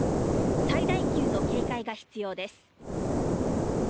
最大級の警戒が必要です。